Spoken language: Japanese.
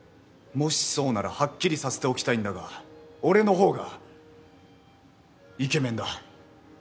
もしそうならはっきりさせておきたいんだが俺の方がイケメンだ。